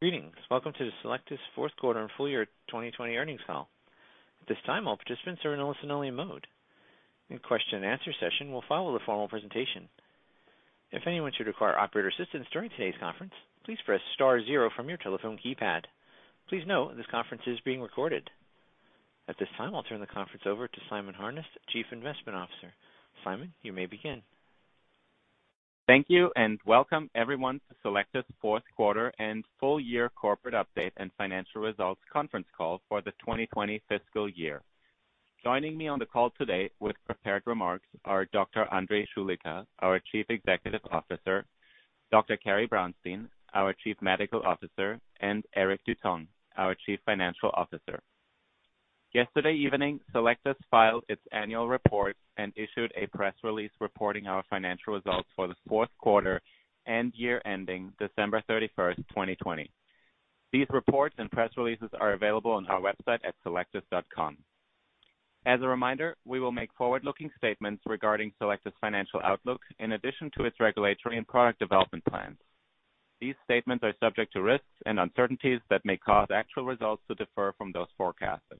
Greetings. Welcome to the Cellectis fourth quarter and full year 2020 earnings call. At this time, all participants are in a listen-only mode. A question and answer session will follow the formal presentation. Please note this conference is being recorded. At this time, I'll turn the conference over to Simon Harnest, Chief Investment Officer. Simon, you may begin. Thank you, and welcome everyone to Cellectis' fourth quarter and full year corporate update and financial results conference call for the 2020 fiscal year. Joining me on the call today with prepared remarks are Dr. André Choulika, our Chief Executive Officer, Dr. Carrie Brownstein, our Chief Medical Officer, and Eric Dutang, our Chief Financial Officer. Yesterday evening, Cellectis filed its annual report and issued a press release reporting our financial results for the fourth quarter and year ending December 31st, 2020. These reports and press releases are available on our website at cellectis.com. As a reminder, we will make forward-looking statements regarding Cellectis' financial outlook in addition to its regulatory and product development plans. These statements are subject to risks and uncertainties that may cause actual results to differ from those forecasted.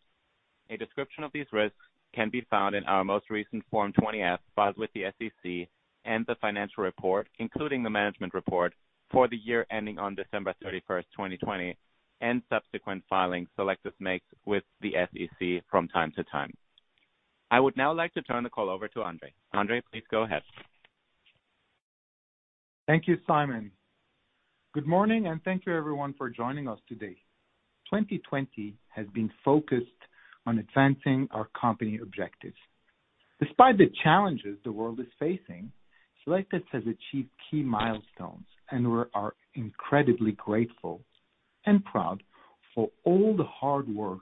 A description of these risks can be found in our most recent Form 20-F filed with the SEC and the financial report, including the management report, for the year ending on December 31st, 2020 and subsequent filings Cellectis makes with the SEC from time to time. I would now like to turn the call over to André. André, please go ahead. Thank you, Simon. Good morning, and thank you, everyone, for joining us today. 2020 has been focused on advancing our company objectives. Despite the challenges the world is facing, Cellectis has achieved key milestones, and we are incredibly grateful and proud for all the hard work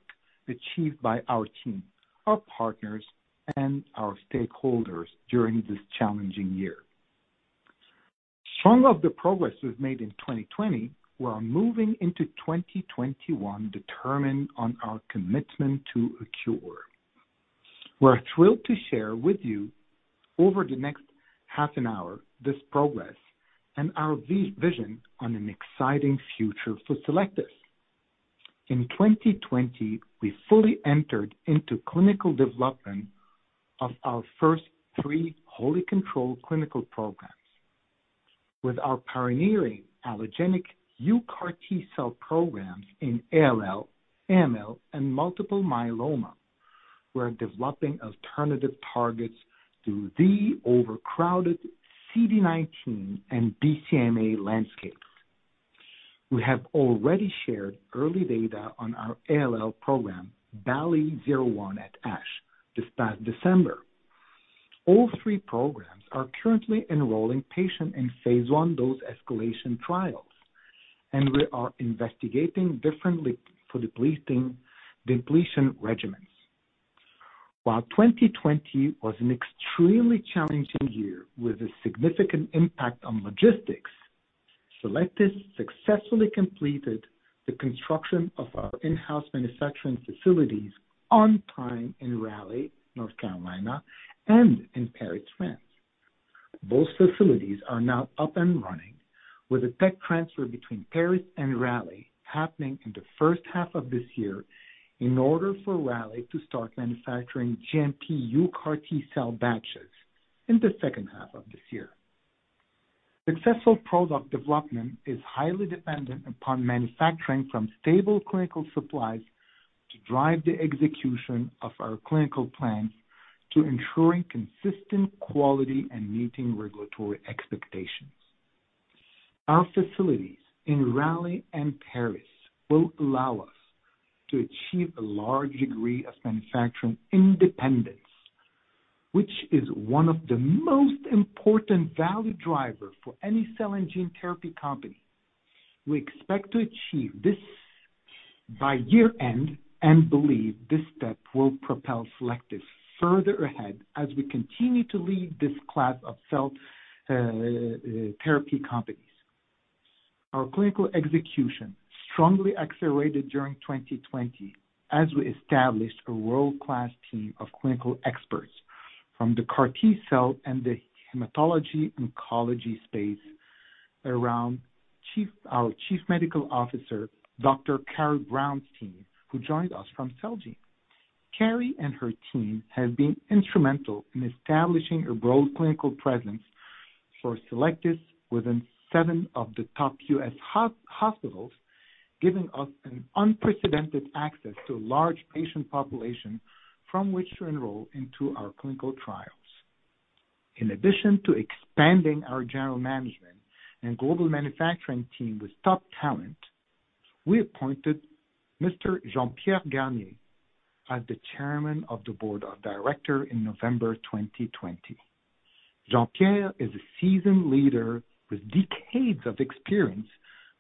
achieved by our team, our partners, and our stakeholders during this challenging year. Strong of the progress we've made in 2020, we are moving into 2021 determined on our commitment to a cure. We're thrilled to share with you over the next half an hour this progress and our vision on an exciting future for Cellectis. In 2020, we fully entered into clinical development of our first three wholly controlled clinical programs. With our pioneering allogeneic UCAR T-cell programs in ALL, AML, and multiple myeloma, we're developing alternative targets to the overcrowded CD19 and BCMA landscape. We have already shared early data on our ALL program BALLI-01 at ASH this past December. All three programs are currently enrolling patients in phase I dose-escalation trials. We are investigating lymphodepletion regimens. While 2020 was an extremely challenging year with a significant impact on logistics, Cellectis successfully completed the construction of our in-house manufacturing facilities on time in Raleigh, North Carolina, and in Paris, France. Both facilities are now up and running with a tech transfer between Paris and Raleigh happening in the first half of this year in order for Raleigh to start manufacturing GMP UCAR T-cell batches in the second half of this year. Successful product development is highly dependent upon manufacturing from stable clinical supplies to drive the execution of our clinical plans to ensuring consistent quality and meeting regulatory expectations. Our facilities in Raleigh and Paris will allow us to achieve a large degree of manufacturing independence, which is one of the most important value driver for any cell and gene therapy company. We expect to achieve this by year-end and believe this step will propel Cellectis further ahead as we continue to lead this class of cell therapy companies. Our clinical execution strongly accelerated during 2020 as we established a world-class team of clinical experts from the CAR T-cell and the hematology oncology space around our Chief Medical Officer, Dr. Carrie Brownstein, who joined us from Celgene. Carrie and her team have been instrumental in establishing a broad clinical presence for Cellectis within seven of the top U.S. hospitals, giving us an unprecedented access to a large patient population from which to enroll into our clinical trials. In addition to expanding our general management and global manufacturing team with top talent, we appointed Mr. Jean-Pierre Garnier as the Chairman of the Board of Directors in November 2020. Jean-Pierre is a seasoned leader with decades of experience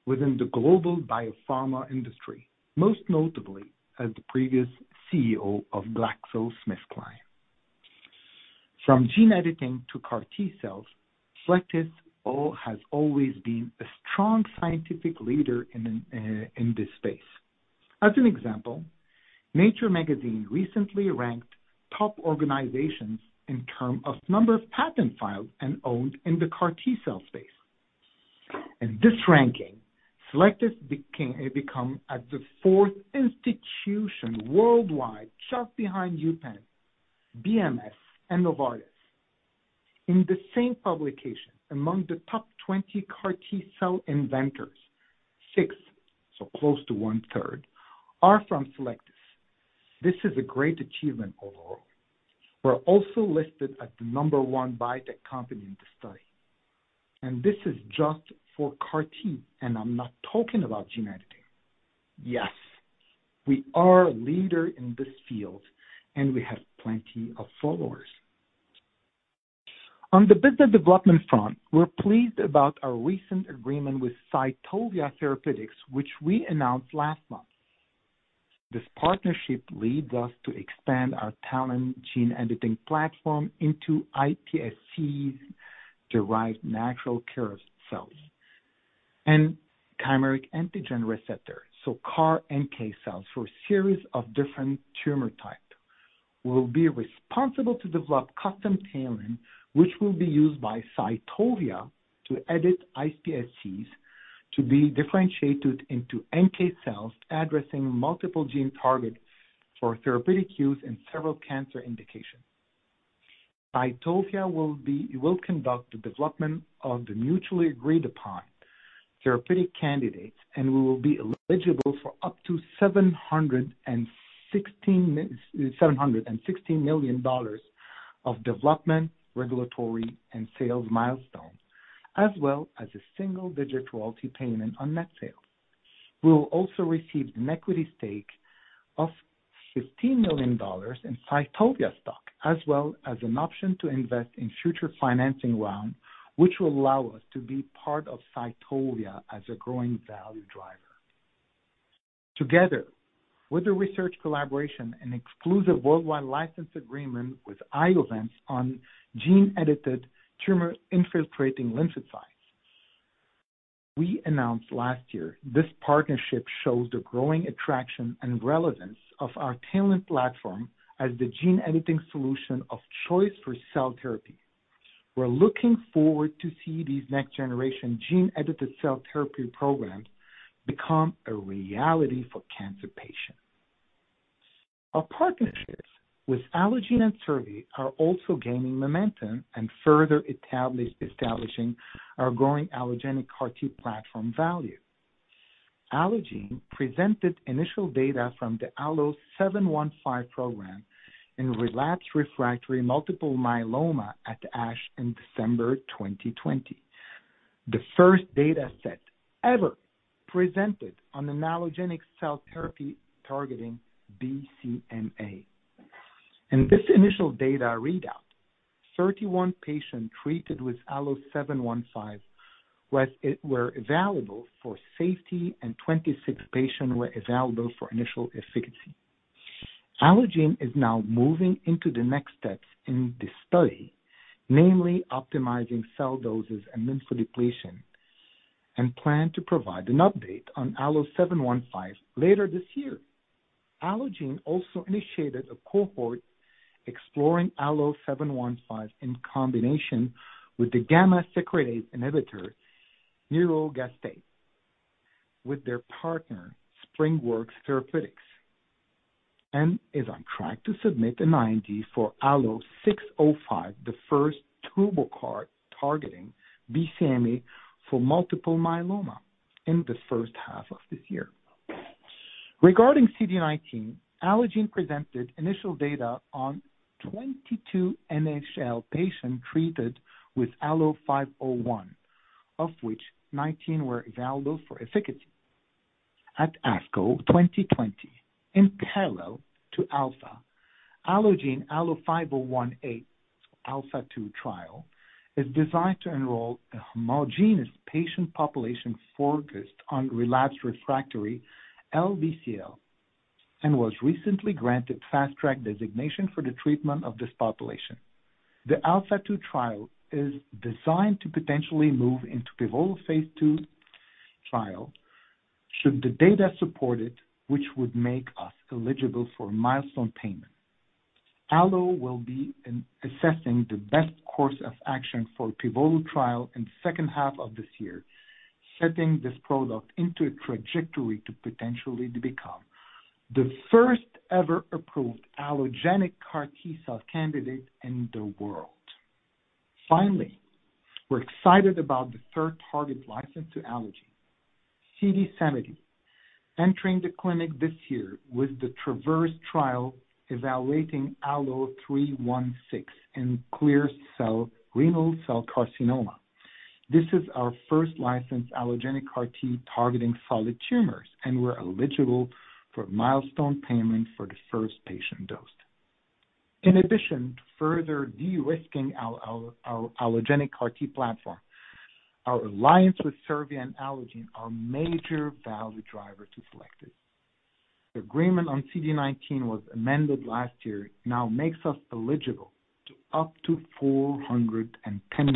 within the global biopharma industry, most notably as the previous CEO of GlaxoSmithKline. From gene editing to CAR T-cells, Cellectis has always been a strong scientific leader in this space. As an example, Nature magazine recently ranked top organizations in term of number of patent filed and owned in the CAR T-cell space. In this ranking, Cellectis become at the fourth institution worldwide, just behind UPenn, BMS, and Novartis. In the same publication, among the top 20 CAR T-cell inventors, six, so close to one third, are from Cellectis. This is a great achievement overall. We're also listed at the number one biotech company in the study. This is just for CAR T, and I'm not talking about gene editing. Yes, we are a leader in this field. We have plenty of followers. On the business development front, we're pleased about our recent agreement with Cytovia Therapeutics, which we announced last month. This partnership leads us to expand our TALEN gene editing platform into iPSCs, derived natural killer cells, and chimeric antigen receptor, so CAR-NK cells for a series of different tumor types. We'll be responsible to develop custom TALEN, which will be used by Cytovia to edit iPSCs to be differentiated into NK cells, addressing multiple gene targets for therapeutic use in several cancer indications. Cytovia will conduct the development of the mutually agreed-upon therapeutic candidates. We will be eligible for up to $716 million of development, regulatory, and sales milestones, as well as a single-digit royalty payment on net sales. We'll also receive an equity stake of $15 million in Cytovia stock, as well as an option to invest in future financing round, which will allow us to be part of Cytovia as a growing value driver. Together with the research collaboration and exclusive worldwide license agreement with Iovance on gene-edited tumor-infiltrating lymphocytes we announced last year, this partnership shows the growing attraction and relevance of our TALEN platform as the gene editing solution of choice for cell therapy. We're looking forward to see these next-generation gene-edited cell therapy programs become a reality for cancer patients. Our partnerships with Allogene and Servier are also gaining momentum and further establishing our growing allogeneic CAR-T platform value. Allogene presented initial data from the ALLO-715 program in relapsed refractory multiple myeloma at ASH in December 2020, the first dataset ever presented on an allogeneic cell therapy targeting BCMA. In this initial data readout, 31 patients treated with ALLO-715 were evaluable for safety, and 26 patients were evaluable for initial efficacy. Allogene is now moving into the next steps in this study, namely optimizing cell doses and lymphodepletion, and plan to provide an update on ALLO-715 later this year. Allogene also initiated a cohort exploring ALLO-715 in combination with the gamma secretase inhibitor nirogacestat with their partner, SpringWorks Therapeutics, and is on track to submit an IND for ALLO-605, the first TurboCAR targeting BCMA for multiple myeloma in the first half of this year. Regarding CD19, Allogene presented initial data on 22 NHL patients treated with ALLO-501, of which 19 were evaluable for efficacy at ASCO 2020. In parallel to ALPHA, Allogene ALLO-501A ALPHA-2 trial is designed to enroll a homogeneous patient population focused on relapsed refractory LBCL and was recently granted Fast Track designation for the treatment of this population. The ALPHA-2 trial is designed to potentially move into pivotal phase II trial should the data support it, which would make us eligible for milestone payment. Allo will be assessing the best course of action for pivotal trial in second half of this year, setting this product into a trajectory to potentially become the first ever approved allogeneic CAR T-cell candidate in the world. We're excited about the third target licensed to Allogene, CD70, entering the clinic this year with the TRAVERSE trial evaluating ALLO-316 in clear cell renal cell carcinoma. This is our first licensed allogeneic CAR T targeting solid tumors, and we're eligible for milestone payment for the first patient dosed. In addition to further de-risking our allogeneic CAR T platform, our alliance with Servier and Allogene are major value driver to Cellectis. The agreement on CD19 was amended last year, now makes us eligible up to $410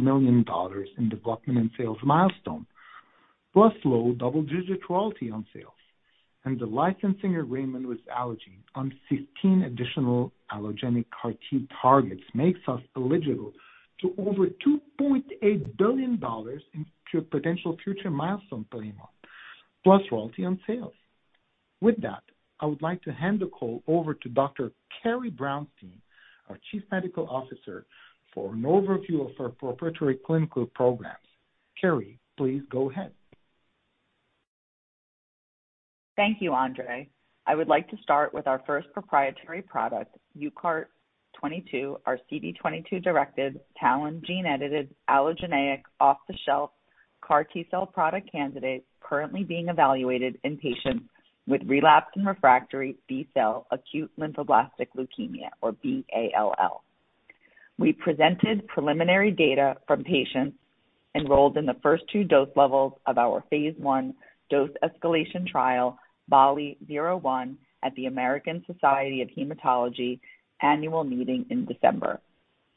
million in development and sales milestone, plus low double-digit royalty on sales. The licensing agreement with Allogene on 15 additional allogeneic CAR T targets makes us eligible to over $2.8 billion in potential future milestone payment, plus royalty on sales. With that, I would like to hand the call over to Dr. Carrie Brownstein, our Chief Medical Officer, for an overview of our proprietary clinical programs. Carrie, please go ahead. Thank you, André. I would like to start with our first proprietary product, UCART22, our CD22-directed, TALEN gene-edited, allogeneic, off-the-shelf CAR T-cell product candidate currently being evaluated in patients with relapsed and refractory B-cell acute lymphoblastic leukemia, or BALL. We presented preliminary data from patients enrolled in the first two dose levels of our phase I dose escalation trial, BALLI-01, at the American Society of Hematology annual meeting in December.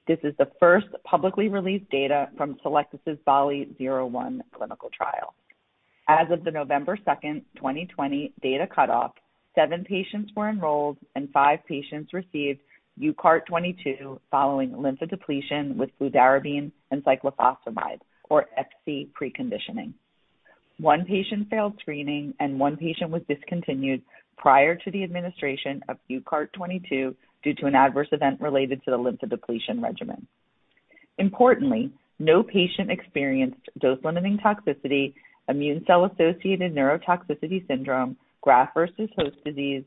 This is the first publicly released data from Cellectis' BALLI-01 clinical trial. As of the November 2nd, 2020 data cutoff, seven patients were enrolled and five patients received UCART22 following lymphodepletion with fludarabine and cyclophosphamide, or FC preconditioning. One patient failed screening, and one patient was discontinued prior to the administration of UCART22 due to an adverse event related to the lymphodepletion regimen. Importantly, no patient experienced dose-limiting toxicity, Immune-Cell-Associated Neurotoxicity Syndrome, Graft-versus-host disease,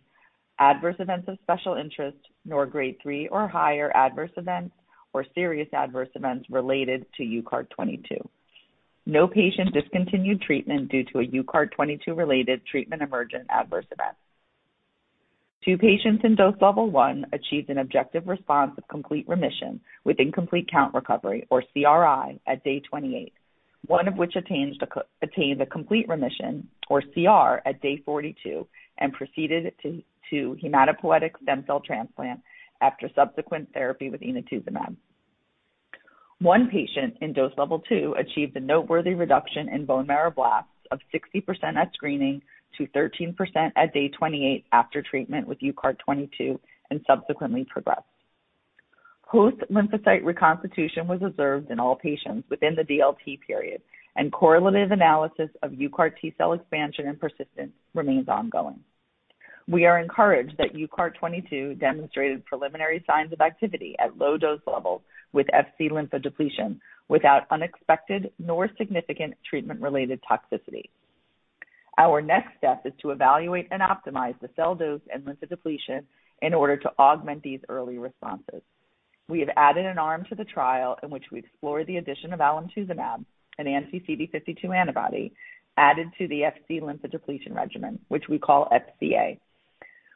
adverse events of special interest, nor Grade 3 or higher adverse events or serious adverse events related to UCART22. No patient discontinued treatment due to a UCART22-related treatment emergent adverse event. Two patients in dose level 1 achieved an objective response of complete remission with incomplete count recovery, or CRi, at day 28. One of which attained a complete remission, or CR, at day 42 and proceeded to hematopoietic stem cell transplant after subsequent therapy with inotuzumab. One patient in dose level 2 achieved a noteworthy reduction in bone marrow blasts of 60% at screening to 13% at day 28 after treatment with UCART22 and subsequently progressed. Host lymphocyte reconstitution was observed in all patients within the DLT period, and correlative analysis of UCAR T-cell expansion and persistence remains ongoing. We are encouraged that UCART22 demonstrated preliminary signs of activity at low dose levels with FC lymphodepletion without unexpected nor significant treatment-related toxicity. Our next step is to evaluate and optimize the cell dose and lymphodepletion in order to augment these early responses. We have added an arm to the trial in which we explore the addition of alemtuzumab, an anti-CD52 antibody, added to the FC lymphodepletion regimen, which we call FCA,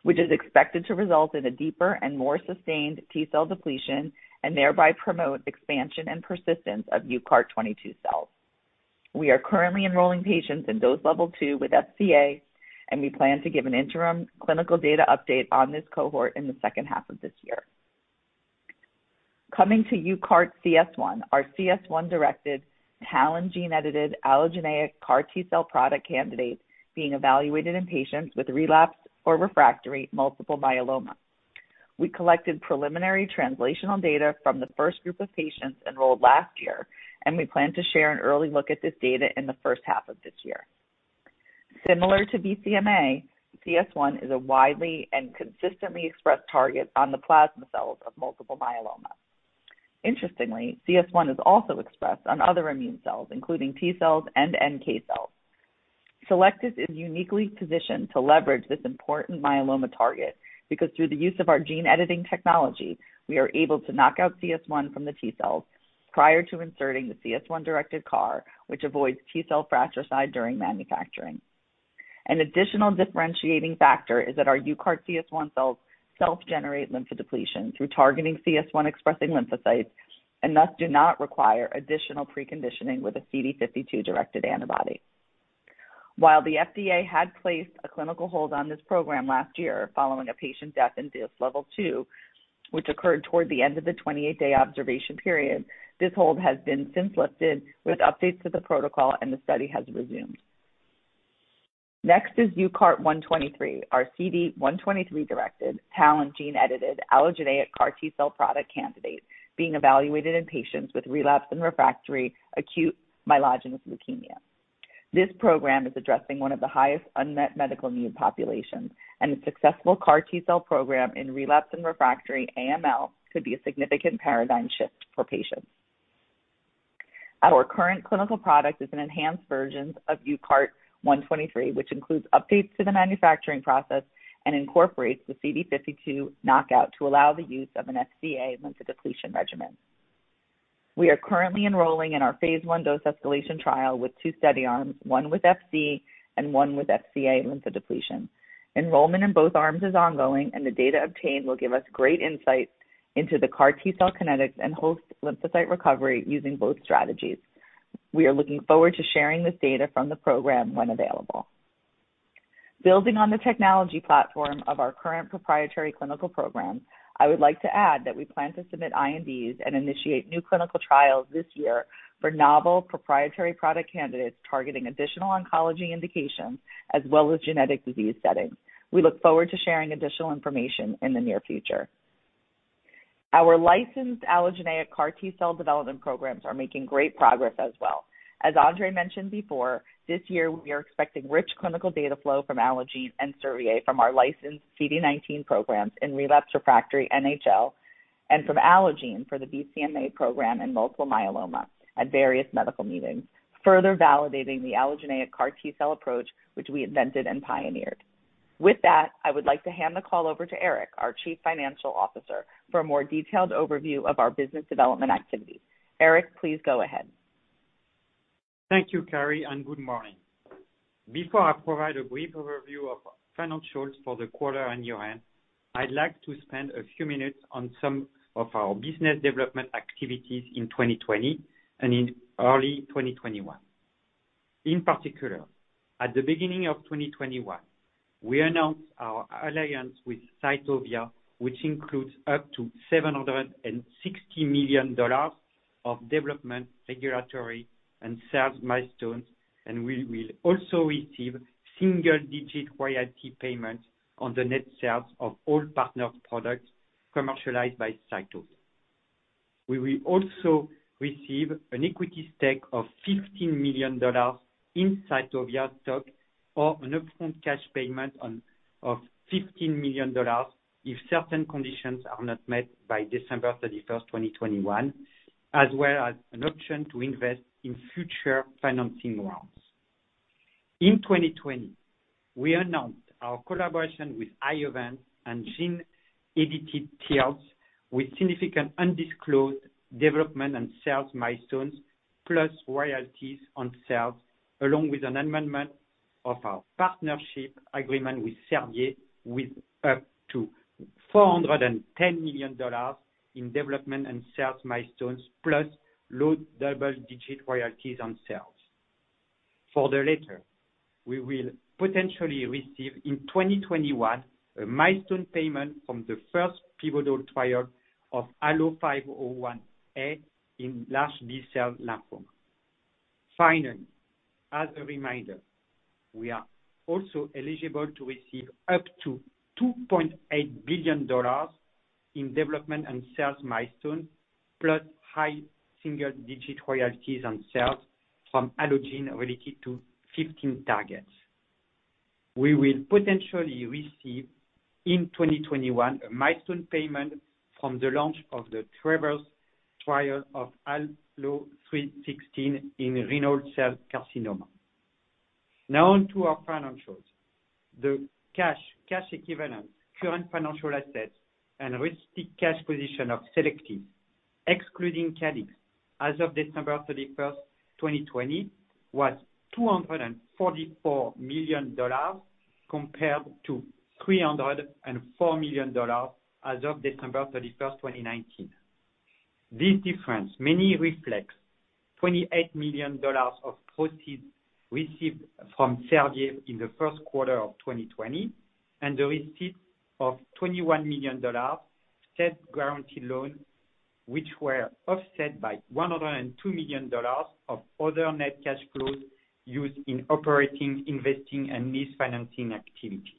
which is expected to result in a deeper and more sustained T cell depletion and thereby promote expansion and persistence of UCART22 cells. We are currently enrolling patients in dose level 2 with FCA, and we plan to give an interim clinical data update on this cohort in the second half of this year. UCARTCS1, our CS1-directed, TALEN gene-edited, allogeneic CAR T-cell product candidate being evaluated in patients with relapsed or refractory multiple myeloma. We collected preliminary translational data from the first group of patients enrolled last year, and we plan to share an early look at this data in the first half of this year. Similar to BCMA, CS1 is a widely and consistently expressed target on the plasma cells of multiple myeloma. Interestingly, CS1 is also expressed on other immune cells, including T cells and NK cells. Cellectis is uniquely positioned to leverage this important myeloma target, because through the use of our gene editing technology, we are able to knock out CS1 from the T cells prior to inserting the CS1-directed CAR, which avoids T cell fratricide during manufacturing. An additional differentiating factor is that our UCARTCS1 cells self-generate lymphodepletion through targeting CS1-expressing lymphocytes and thus do not require additional preconditioning with a CD52-directed antibody. While the FDA had placed a clinical hold on this program last year following a patient death in dose level 2, which occurred toward the end of the 28-day observation period, this hold has been since lifted with updates to the protocol, and the study has resumed. Next is UCART123, our CD123-directed, TALEN gene-edited, allogeneic CAR T-cell product candidate being evaluated in patients with relapsed and refractory acute myeloid leukemia. This program is addressing one of the highest unmet medical need populations. A successful CAR T-cell program in relapsed and refractory AML could be a significant paradigm shift for patients. Our current clinical product is an enhanced version of UCART123, which includes updates to the manufacturing process and incorporates the CD52 knockout to allow the use of an FCA lymphodepletion regimen. We are currently enrolling in our phase I dose escalation trial with two study arms, one with FC and one with FCA lymphodepletion. Enrollment in both arms is ongoing, and the data obtained will give us great insight into the CAR T-cell kinetics and host lymphocyte recovery using both strategies. We are looking forward to sharing this data from the program when available. Building on the technology platform of our current proprietary clinical programs, I would like to add that we plan to submit INDs and initiate new clinical trials this year for novel proprietary product candidates targeting additional oncology indications, as well as genetic disease settings. We look forward to sharing additional information in the near future. Our licensed allogeneic CAR T-cell development programs are making great progress as well. As André mentioned before, this year we are expecting rich clinical data flow from Allogene and Servier from our licensed CD19 programs in relapse refractory NHL, and from Allogene for the BCMA program in multiple myeloma at various medical meetings, further validating the allogeneic CAR T-cell approach, which we invented and pioneered. With that, I would like to hand the call over to Eric, our Chief Financial Officer, for a more detailed overview of our business development activities. Eric, please go ahead. Thank you, Carrie, and good morning. Before I provide a brief overview of financials for the quarter and year-end, I'd like to spend a few minutes on some of our business development activities in 2020 and in early 2021. In particular, at the beginning of 2021, we announced our alliance with Cytovia, which includes up to $760 million of development, regulatory, and sales milestones, and we will also receive single-digit royalty payments on the net sales of all partnered products commercialized by Cytovia. We will also receive an equity stake of $15 million in Cytovia stock or an upfront cash payment of $15 million if certain conditions are not met by December 31st, 2021, as well as an option to invest in future financing rounds. In 2020, we announced our collaboration with Iovance on gene-edited T cells with significant undisclosed development and sales milestones, plus royalties on sales, along with an amendment of our partnership agreement with Servier with up to $410 million in development and sales milestones, plus low double-digit royalties on sales. For the latter, we will potentially receive in 2021 a milestone payment from the first pivotal trial of ALLO-501A in large B-cell lymphoma. As a reminder, we are also eligible to receive up to $2.8 billion in development and sales milestones, plus high single-digit royalties on sales from Allogene related to 15 targets. We will potentially receive in 2021 a milestone payment from the launch of the TRAVERSE trial of ALLO-316 in renal cell carcinoma. On to our financials. The cash equivalents, current financial assets, and restricted cash position of Cellectis, excluding Calyxt, as of December 31st, 2020, was $244 million compared to $304 million as of December 31st, 2019. This difference mainly reflects $28 million of proceeds received from Servier in the first quarter of 2020 and the receipt of $21 million debt guarantee loan, which were offset by $102 million of other net cash flows used in operating, investing, and lease financing activities.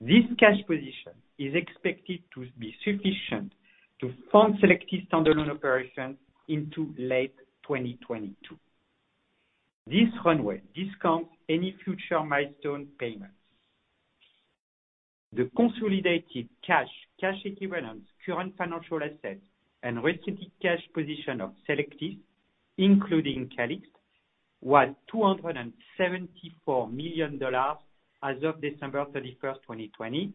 This cash position is expected to be sufficient to fund Cellectis standalone operations into late 2022. This runway discounts any future milestone payments. The consolidated cash equivalents, current financial assets, and restricted cash position of Cellectis, including Calyxt, was $274 million as of December 31st, 2020,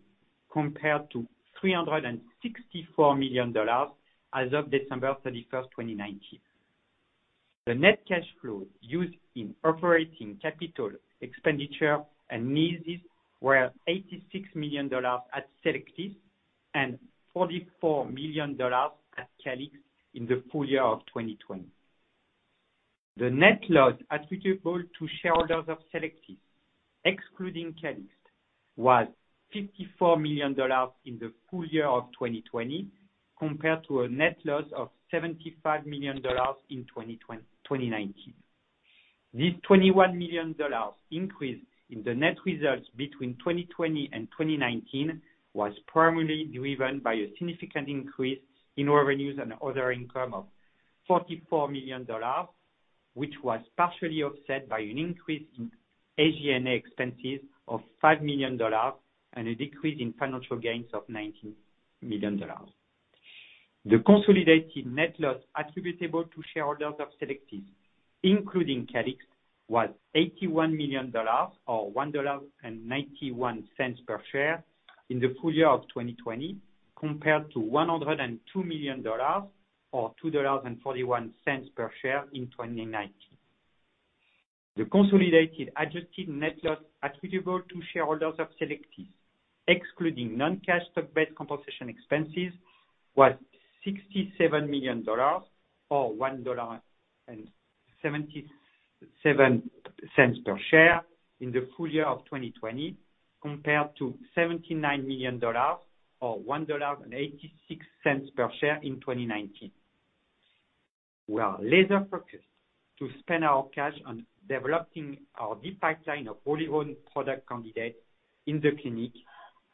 compared to $364 million as of December 31st, 2019. The net cash flow used in operating, capital expenditure, and leases were $86 million at Cellectis and $44 million at Calyxt in the full year of 2020. The net loss attributable to shareholders of Cellectis, excluding Calyxt, was $54 million in the full year of 2020, compared to a net loss of $75 million in 2019. This $21 million increase in the net results between 2020 and 2019 was primarily driven by a significant increase in revenues and other income of $44 million, which was partially offset by an increase in SG&A expenses of $5 million and a decrease in financial gains of $19 million. The consolidated net loss attributable to shareholders of Cellectis, including Calyxt, was $81 million, or $1.91 per share in the full year of 2020, compared to $102 million, or $2.41 per share in 2019. The consolidated adjusted net loss attributable to shareholders of Cellectis Excluding non-cash stock-based compensation expenses was $67 million, or $1.77 per share in the full year of 2020, compared to $79 million, or $1.86 per share in 2019. We are laser-focused to spend our cash on developing our deep pipeline of wholly-owned product candidates in the clinic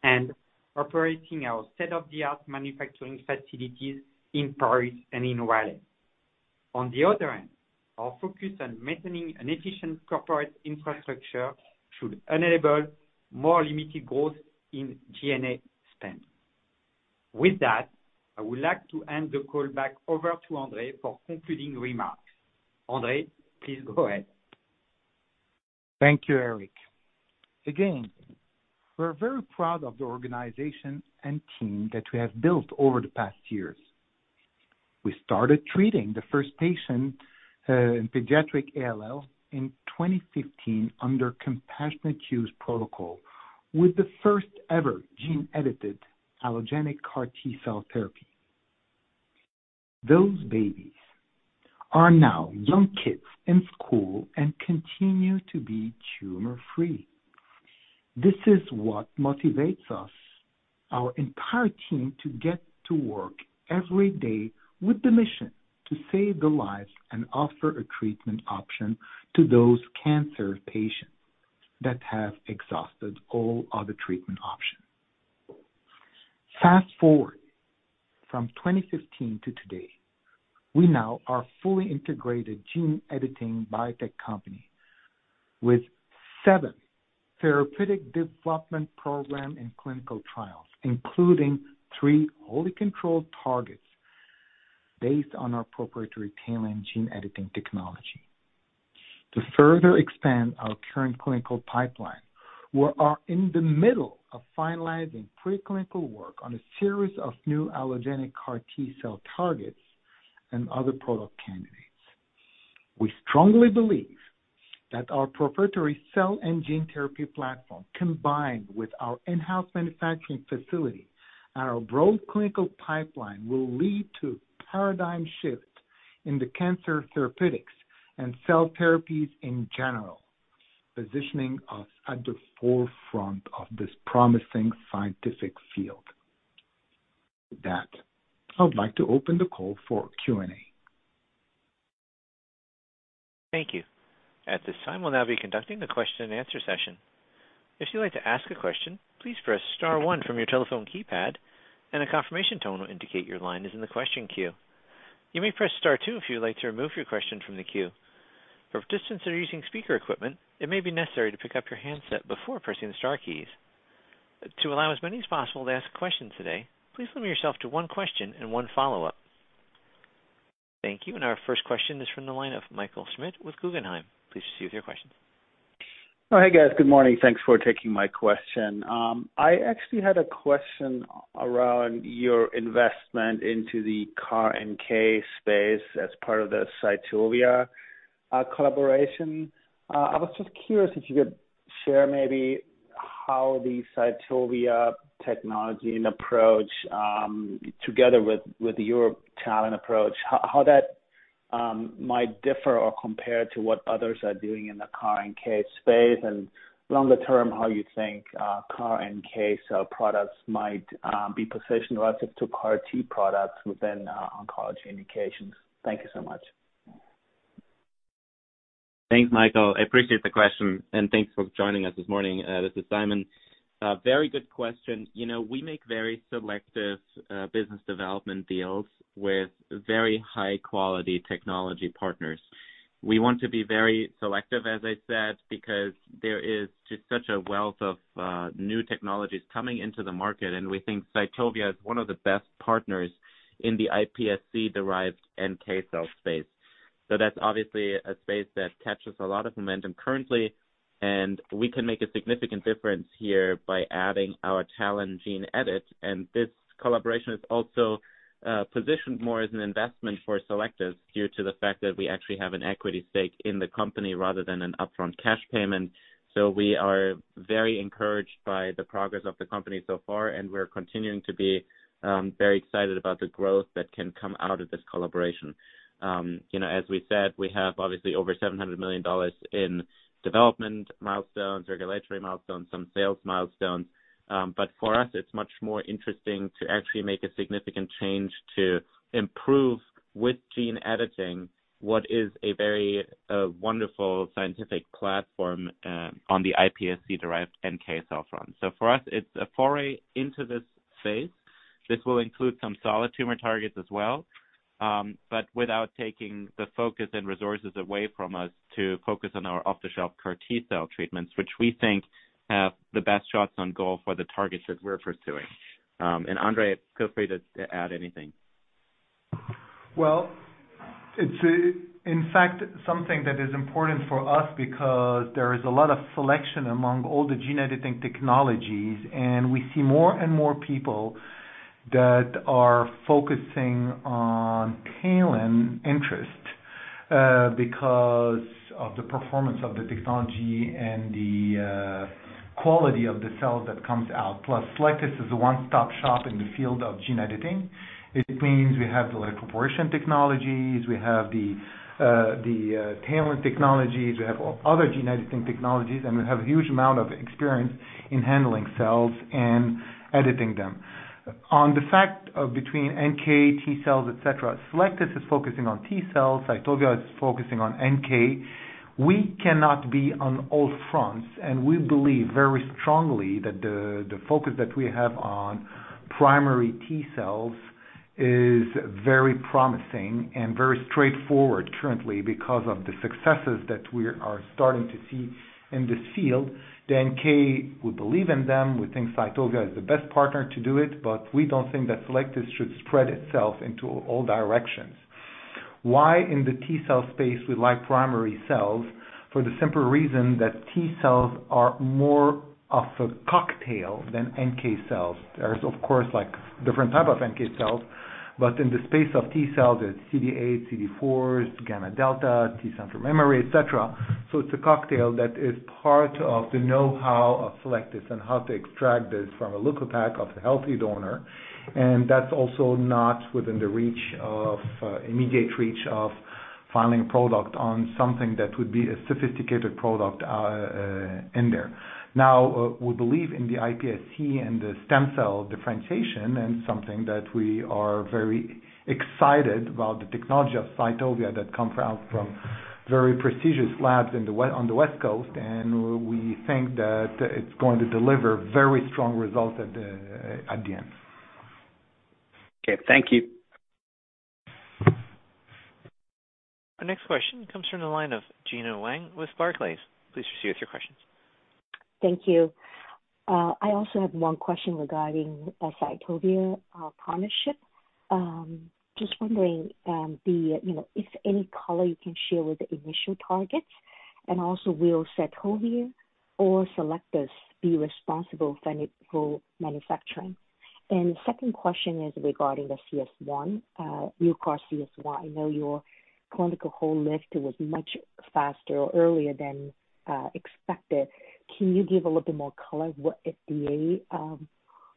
and operating our state-of-the-art manufacturing facilities in Paris and in Raleigh. On the other hand, our focus on maintaining an efficient corporate infrastructure should enable more limited growth in G&A spend. With that, I would like to hand the call back over to André for concluding remarks. André, please go ahead. Thank you, Eric. Again, we're very proud of the organization and team that we have built over the past years. We started treating the first patient in pediatric ALL in 2015 under compassionate use protocol with the first ever gene-edited allogeneic CAR T-cell therapy. Those babies are now young kids in school and continue to be tumor-free. This is what motivates us, our entire team, to get to work every day with the mission to save the lives and offer a treatment option to those cancer patients that have exhausted all other treatment options. Fast-forward from 2015 to today, we now are a fully integrated gene-editing biotech company with seven therapeutic development programs in clinical trials, including three wholly controlled targets based on our proprietary TALEN gene editing technology. To further expand our current clinical pipeline, we are in the middle of finalizing pre-clinical work on a series of new allogeneic CAR T-cell targets and other product candidates. We strongly believe that our proprietary cell and gene therapy platform, combined with our in-house manufacturing facility and our broad clinical pipeline, will lead to paradigm shifts in the cancer therapeutics and cell therapies in general, positioning us at the forefront of this promising scientific field. With that, I would like to open the call for Q&A. Thank you. At this time, we'll now be conducting the question and answer session. If you'd like to ask a question, please press star one from your telephone keypad, and a confirmation tone will indicate your line is in the question queue. You may press star two if you would like to remove your question from the queue. For participants that are using speaker equipment, it may be necessary to pick up your handset before pressing the star keys. To allow as many as possible to ask questions today, please limit yourself to one question and one follow-up. Thank you. Our first question is from the line of Michael Schmidt with Guggenheim. Please proceed with your question. Oh, hey, guys. Good morning. Thanks for taking my question. I actually had a question around your investment into the CAR-NK space as part of the Cytovia collaboration. I was just curious if you could share maybe how the Cytovia technology and approach, together with your TALEN approach, how that might differ or compare to what others are doing in the CAR-NK space. Longer term, how you think CAR-NK cell products might be positioned relative to CAR T products within oncology indications. Thank you so much. Thanks, Michael. I appreciate the question, and thanks for joining us this morning. This is Simon. A very good question. We make very selective business development deals with very high-quality technology partners. We want to be very selective, as I said, because there is just such a wealth of new technologies coming into the market, and we think Cytovia is one of the best partners in the iPSC-derived NK cell space. That's obviously a space that captures a lot of momentum currently, and we can make a significant difference here by adding our TALEN gene edit. This collaboration is also positioned more as an investment for Cellectis due to the fact that we actually have an equity stake in the company rather than an upfront cash payment. We are very encouraged by the progress of the company so far, and we're continuing to be very excited about the growth that can come out of this collaboration. As we said, we have obviously over $700 million in development milestones, regulatory milestones, some sales milestones. For us, it's much more interesting to actually make a significant change to improve with gene editing what is a very wonderful scientific platform on the iPSC-derived NK cell front. For us, it's a foray into this space. This will include some solid tumor targets as well, but without taking the focus and resources away from us to focus on our off-the-shelf CAR T-cell treatments, which we think have the best shots on goal for the targets that we're pursuing. André, feel free to add anything. Well, it's in fact something that is important for us because there is a lot of selection among all the gene editing technologies, and we see more and more people that are focusing on TALEN interest because of the performance of the technology and the quality of the cells that comes out. Cellectis is a one-stop shop in the field of gene editing. It means we have the lipofection technologies, we have the TALEN technologies, we have other gene editing technologies, and we have a huge amount of experience in handling cells and editing them. On the fact between NK, T cells, et cetera, Cellectis is focusing on T cells, Cytovia is focusing on NK. We cannot be on all fronts. We believe very strongly that the focus that we have on primary T cells is very promising and very straightforward currently because of the successes that we are starting to see in this field. The NK, we believe in them. We think Cytovia is the best partner to do it. We don't think that Cellectis should spread itself into all directions. Why in the T cell space we like primary cells, for the simple reason that T cells are more of a cocktail than NK cells. There is, of course, different type of NK cells. In the space of T cells, there's CD8, CD4, gamma delta, T central memory, et cetera. It's a cocktail that is part of the knowhow of Cellectis and how to extract this from a leukopak of a healthy donor, and that's also not within the immediate reach of filing a product on something that would be a sophisticated product in there. We believe in the iPSCs and the stem cell differentiation, and something that we are very excited about, the technology of Cytovia that comes out from very prestigious labs on the West Coast, and we think that it's going to deliver very strong results at the end. Okay. Thank you. The next question comes from the line of Gena Wang with Barclays. Please proceed with your questions. Thank you. I also have one question regarding Cytovia partnership. Just wondering if any color you can share with the initial targets, will Cytovia or Cellectis be responsible for manufacturing? The second question is regarding the CS1, new CAR CS1. I know your clinical hold lift was much faster or earlier than expected. Can you give a little bit more color what FDA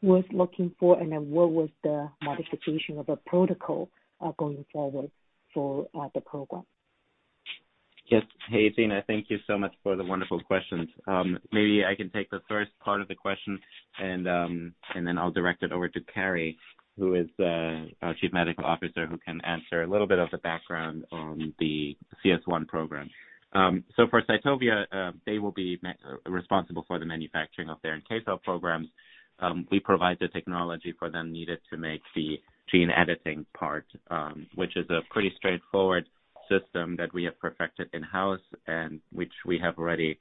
was looking for, what was the modification of the protocol going forward for the program? Yes. Hey, Gena. Thank you so much for the wonderful questions. Maybe I can take the first part of the question, I'll direct it over to Carrie, who is our Chief Medical Officer, who can answer a little bit of the background on the CS1 program. For Cytovia, they will be responsible for the manufacturing of their NK cell programs. We provide the technology for them needed to make the gene editing part, which is a pretty straightforward system that we have perfected in-house and which we have already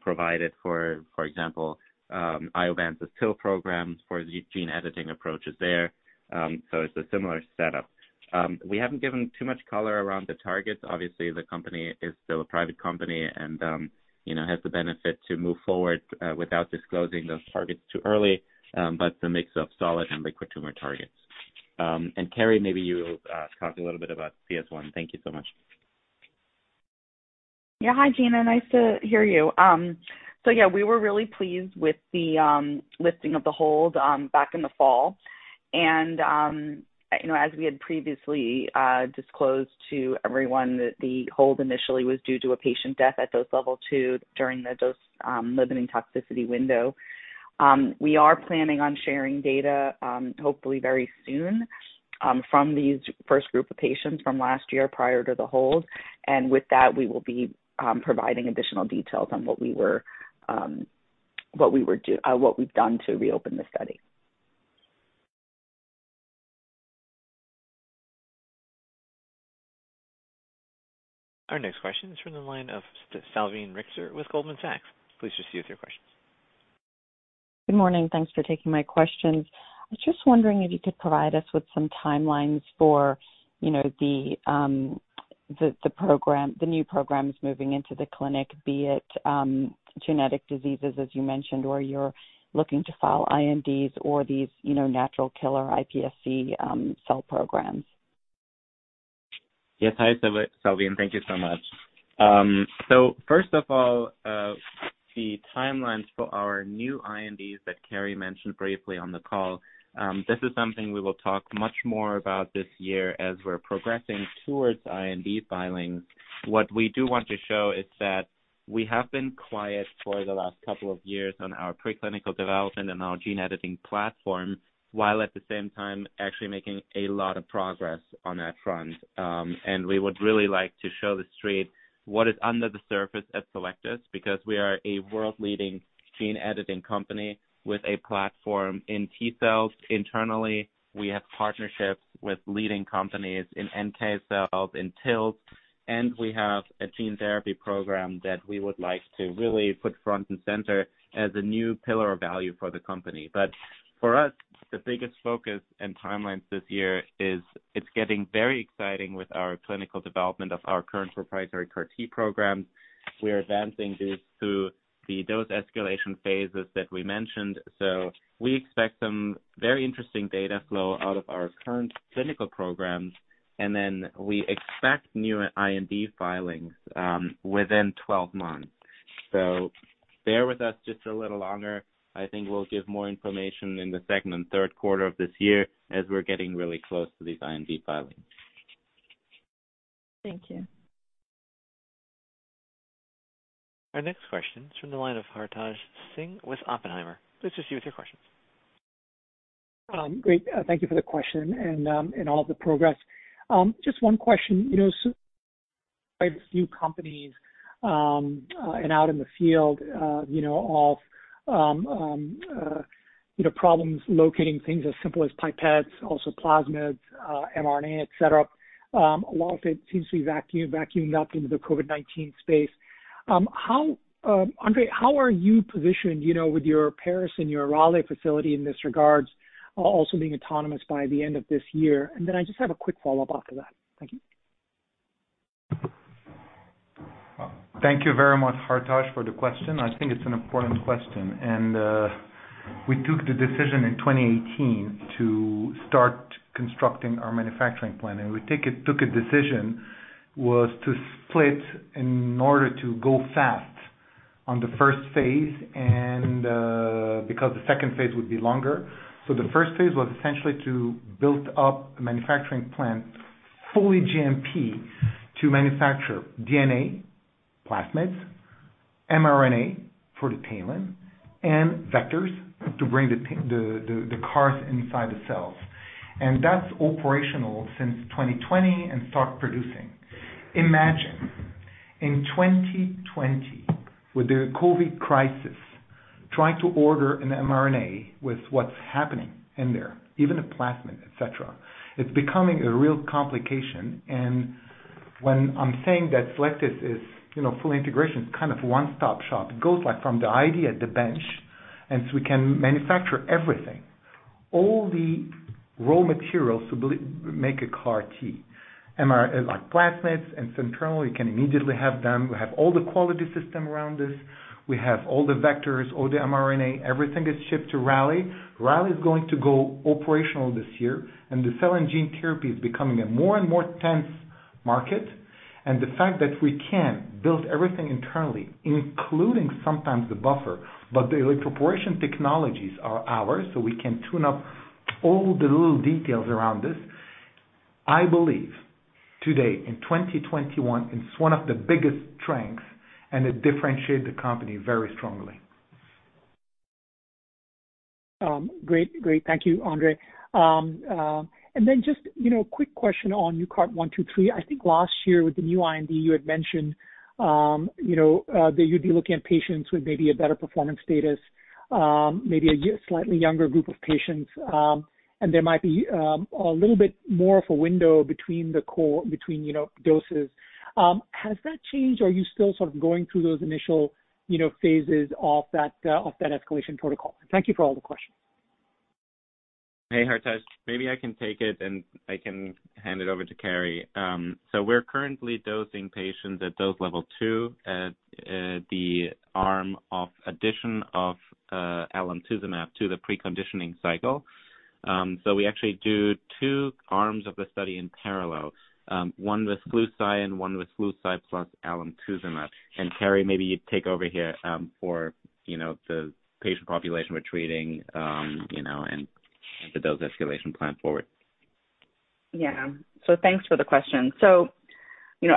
provided for example, Iovance's TIL programs for the gene editing approaches there. It's a similar setup. We haven't given too much color around the targets. Obviously, the company is still a private company and has the benefit to move forward without disclosing those targets too early, it's a mix of solid and liquid tumor targets. Carrie, maybe you talk a little bit about CS1. Thank you so much. Hi, Gena. Nice to hear you. We were really pleased with the lifting of the hold back in the fall. As we had previously disclosed to everyone, that the hold initially was due to a patient death at dose level 2 during the dose-limiting toxicity window. We are planning on sharing data, hopefully very soon, from these first group of patients from last year, prior to the hold, and with that, we will be providing additional details on what we've done to reopen the study. Our next question is from the line of Salveen Richter with Goldman Sachs. Please proceed with your questions. Good morning. Thanks for taking my questions. I was just wondering if you could provide us with some timelines for the new programs moving into the clinic, be it genetic diseases, as you mentioned, or you're looking to file INDs or these natural killer iPSC cell programs. Hi, Salveen. Thank you so much. First of all, the timelines for our new INDs that Carrie mentioned briefly on the call. This is something we will talk much more about this year as we're progressing towards IND filings. What we do want to show is that we have been quiet for the last couple of years on our preclinical development and our gene editing platform, while at the same time actually making a lot of progress on that front. We would really like to show the street what is under the surface at Cellectis, because we are a world-leading gene editing company with a platform in T cells internally. We have partnerships with leading companies in NK cells and TILs, and we have a gene therapy program that we would like to really put front and center as a new pillar of value for the company. For us, the biggest focus and timelines this year is, it's getting very exciting with our clinical development of our current proprietary CAR T program. We are advancing this to the dose escalation phases that we mentioned. We expect some very interesting data flow out of our current clinical programs, and then we expect new IND filings within 12 months. Bear with us just a little longer. I think we'll give more information in the second and third quarter of this year as we're getting really close to these IND filings. Thank you. Our next question is from the line of Hartaj Singh with Oppenheimer. Please proceed with your questions. Great. Thank you for the question and all of the progress. Just one question. I have a few companies and out in the field of problems locating things as simple as pipettes, also plasmids, mRNA, et cetera. A lot of it seems to be vacuumed up into the COVID-19 space. André, how are you positioned with your Paris and your Raleigh facility in this regard, also being autonomous by the end of this year? I just have a quick follow-up after that. Thank you. Thank you very much, Hartaj, for the question. I think it's an important question. We took the decision in 2018 to start constructing our manufacturing plant, and we took a decision was to split in order to go fast on the first phase and because the second phase would be longer. The first phase was essentially to build up a manufacturing plant, fully GMP, to manufacture DNA, plasmids, mRNA for the payload, and vectors to bring the CARs inside the cells. That's operational since 2020 and start producing. Imagine, in 2020, with the COVID crisis, trying to order an mRNA with what's happening in there, even a plasmid, et cetera. It's becoming a real complication. When I'm saying that Cellectis is full integration, it's kind of one-stop shop. It goes from the idea at the bench, and so we can manufacture everything, all the raw materials to make a CAR T, like plasmids and syntron, we can immediately have them. We have all the quality system around us. We have all the vectors, all the mRNA, everything is shipped to Raleigh. Raleigh is going to go operational this year, and the cell and gene therapy is becoming a more and more tense market. The fact that we can build everything internally, including sometimes the buffer, but the electroporation technologies are ours, so we can tune up all the little details around this. I believe today in 2021, it's one of the biggest strengths, and it differentiate the company very strongly. Great. Thank you, André. Just quick question on UCART123. I think last year with the new IND, you had mentioned that you'd be looking at patients with maybe a better performance status, maybe a slightly younger group of patients, and there might be a little bit more of a window between doses. Has that changed? Are you still sort of going through those initial phases of that escalation protocol? Thank you for all the questions. Hey, Hartaj. Maybe I can take it, and I can hand it over to Carrie. We're currently dosing patients at dose level 2 at the arm of addition of alemtuzumab to the preconditioning cycle. We actually do two arms of the study in parallel, one with Flu Cy and one with Flu Cy plus alemtuzumab. Carrie, maybe you take over here for the patient population we're treating and the dose escalation plan forward. Thanks for the question.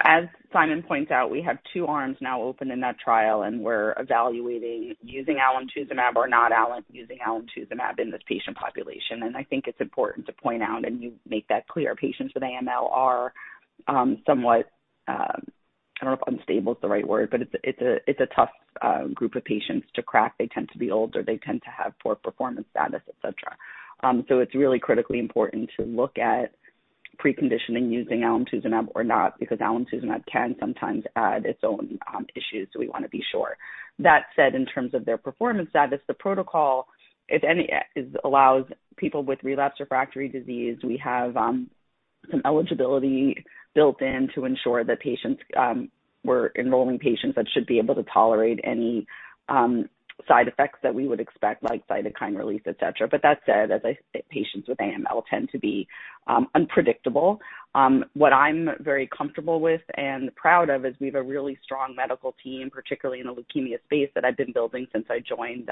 As Simon points out, we have two arms now open in that trial, and we're evaluating using alemtuzumab or not using alemtuzumab in this patient population. I think it's important to point out, and you make that clear, patients with AML are somewhat, I don't know if unstable is the right word, but it's a tough group of patients to crack. They tend to be older. They tend to have poor performance status, et cetera. It's really critically important to look at preconditioning using alemtuzumab or not, because alemtuzumab can sometimes add its own issues. We want to be sure. That said, in terms of their performance status, the protocol, if any, allows people with relapsed refractory disease. We have some eligibility built in to ensure that we're enrolling patients that should be able to tolerate any side effects that we would expect, like cytokine release, et cetera. That said, as I said, patients with AML tend to be unpredictable. What I'm very comfortable with and proud of is we have a really strong medical team, particularly in the leukemia space, that I've been building since I joined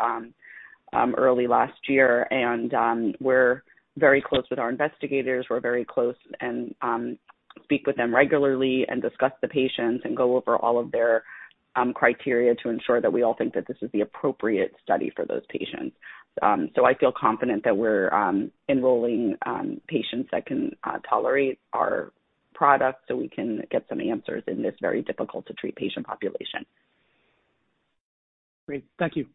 early last year, and we're very close with our investigators. We're very close and speak with them regularly and discuss the patients and go over all of their criteria to ensure that we all think that this is the appropriate study for those patients. I feel confident that we're enrolling patients that can tolerate our product so we can get some answers in this very difficult to treat patient population. Great. Thank you.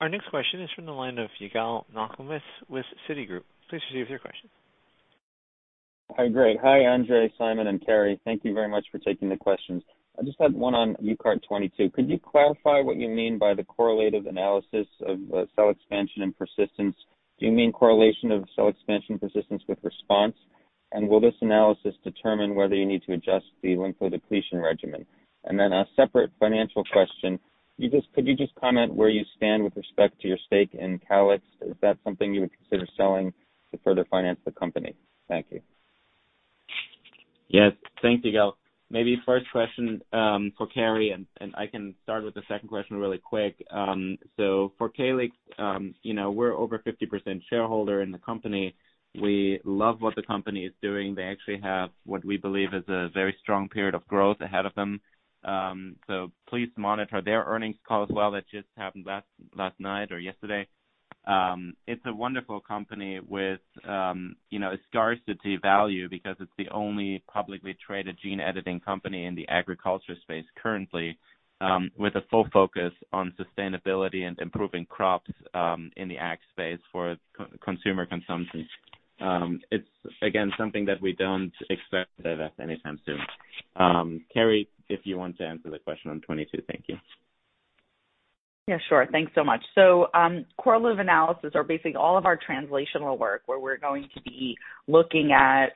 Our next question is from the line of Yigal Nochomovitz with Citigroup. Please proceed with your question. Hi, great. Hi, André, Simon, and Carrie. Thank you very much for taking the questions. I just had one on UCART22. Could you clarify what you mean by the correlative analysis of cell expansion and persistence? Do you mean correlation of cell expansion persistence with response? Will this analysis determine whether you need to adjust the lymphodepletion regimen? Then a separate financial question. Could you just comment where you stand with respect to your stake in Calyxt? Is that something you would consider selling to further finance the company? Thank you. Yes. Thanks, Yigal. Maybe first question for Carrie, and I can start with the second question really quick. For Calyxt, we're over 50% shareholder in the company. We love what the company is doing. They actually have what we believe is a very strong period of growth ahead of them. Please monitor their earnings call as well. That just happened last night or yesterday. It's a wonderful company with scarcity value because it's the only publicly traded gene editing company in the agriculture space currently, with a full focus on sustainability and improving crops, in the ag space for consumer consumption. It's, again, something that we don't expect of that anytime soon. Carrie, if you want to answer the question on 22. Thank you. Yeah, sure. Thanks so much. Correlative analysis are basically all of our translational work where we're going to be looking at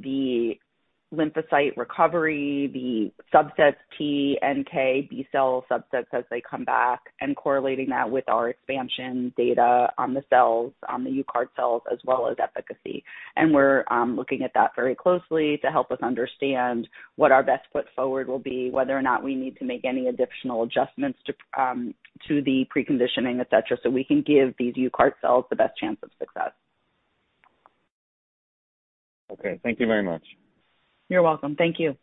the lymphocyte recovery, the subsets T, NK, B-cell subsets as they come back, and correlating that with our expansion data on the cells, on the UCAR T-cells, as well as efficacy. We're looking at that very closely to help us understand what our best foot forward will be, whether or not we need to make any additional adjustments to the preconditioning, et cetera, so we can give these UCAR T-cells the best chance of success. Okay. Thank you very much. You're welcome. Thank you.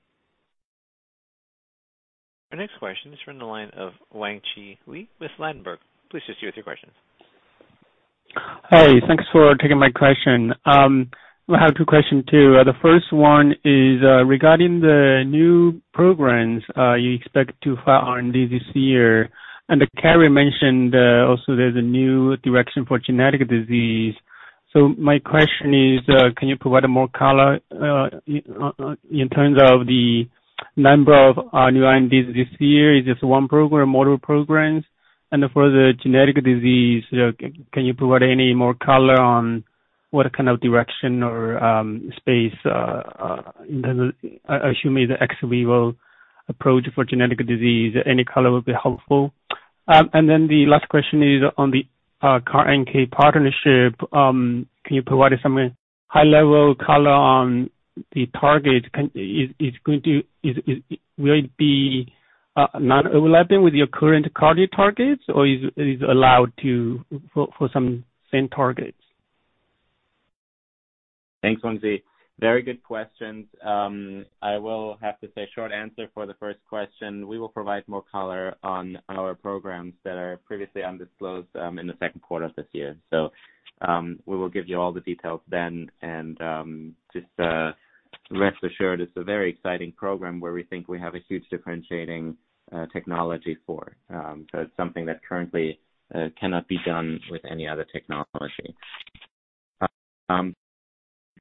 Our next question is from the line of Wangzhi Li with Ladenburg. Please proceed with your questions. Hi. Thanks for taking my question. I have two question too. The first one is, regarding the new programs, you expect to file R&D this year. Carrie mentioned, also there's a new direction for genetic disease. My question is, can you provide more color, in terms of the number of new R&Ds this year? Is this one program, multiple programs? For the genetic disease, can you provide any more color on what kind of direction or, space, I assume is the ex vivo approach for genetic disease? Any color would be helpful. The last question is on the CAR NK partnership. Can you provide some high-level color on the target? Will it be non-overlapping with your current targets, or is allowed for some same targets? Thanks, Wangzhi. Very good questions. I will have to say short answer for the first question. We will provide more color on our programs that are previously undisclosed in the second quarter of this year. We will give you all the details then. Just rest assured, it's a very exciting program where we think we have a huge differentiating technology for. It's something that currently cannot be done with any other technology.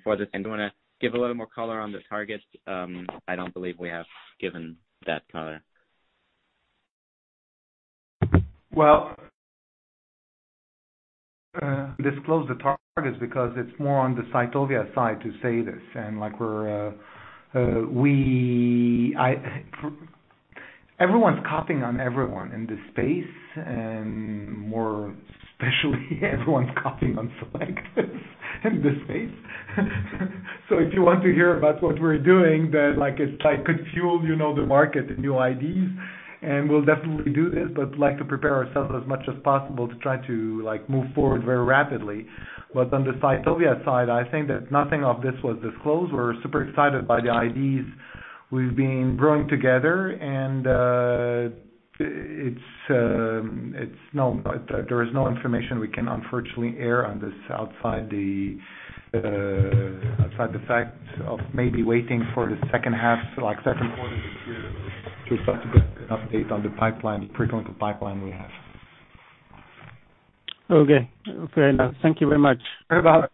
For this, do you want to give a little more color on the target? I don't believe we have given that color. Well, disclose the targets because it's more on the Cytovia side to say this and everyone's copying on everyone in this space, and more especially everyone's copying on Cellectis in this space. If you want to hear about what we're doing, then it could fuel the market and new IDs, and we'll definitely do this, but to prepare ourselves as much as possible to try to move forward very rapidly. On the Cytovia side, I think that nothing of this was disclosed. We're super excited by the IDs we've been growing together, and there is no information we can unfortunately air on this outside the fact of maybe waiting for the second half, second quarter of the year to possibly get an update on the preclinical pipeline we have. Okay. Enough. Thank you very much. No problem.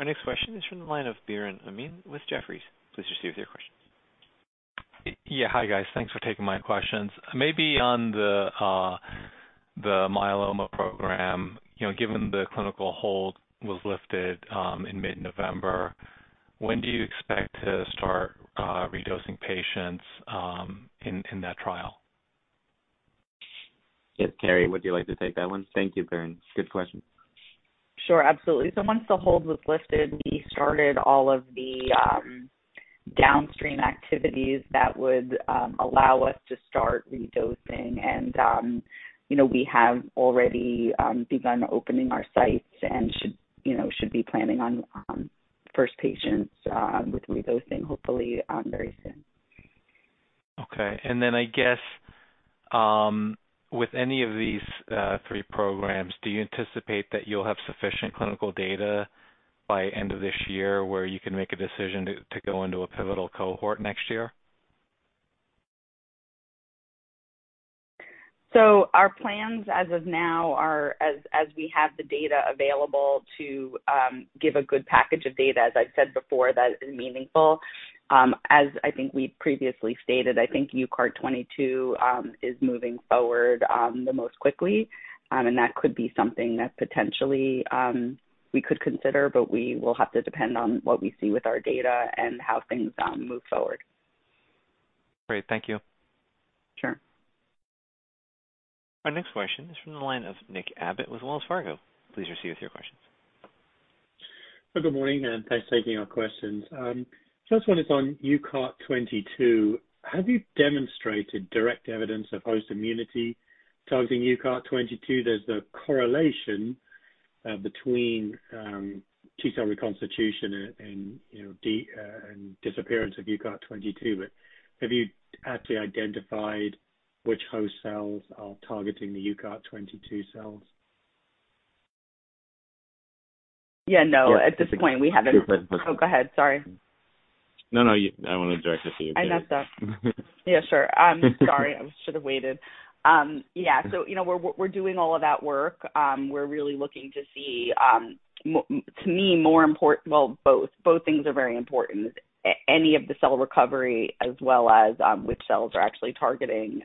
Our next question is from the line of Biren Amin with Jefferies. Please proceed with your questions. Hi, guys. Thanks for taking my questions. On the myeloma program, given the clinical hold was lifted in mid-November, when do you expect to start redosing patients in that trial? Carrie, would you like to take that one? Thank you, Biren. Good question. Sure, absolutely. Once the hold was lifted, we started all of the downstream activities that would allow us to start redosing, and we have already begun opening our sites and should be planning on first patients with redosing hopefully very soon. Okay. I guess, with any of these three programs, do you anticipate that you'll have sufficient clinical data by end of this year where you can make a decision to go into a pivotal cohort next year? Our plans as of now are as we have the data available to give a good package of data, as I've said before, that is meaningful. I think we previously stated, I think UCART22 is moving forward the most quickly. That could be something that potentially, we could consider, but we will have to depend on what we see with our data and how things move forward. Great. Thank you. Sure. Our next question is from the line of Nick Abbott with Wells Fargo. Please proceed with your questions. Good morning, and thanks for taking our questions. First one is on UCART22. Have you demonstrated direct evidence of host immunity targeting UCART22? There's the correlation between T-cell reconstitution and disappearance of UCART22, but have you actually identified which host cells are targeting the UCART22 cells? Yeah, no. At this point, we haven't. Sure. Oh, go ahead, sorry. I want to direct this to you. I messed up. Yeah, sure. Sorry, I should have waited. Yeah. We're doing all of that work. We're really looking to see, to me, both things are very important, any of the cell recovery as well as which cells are actually targeting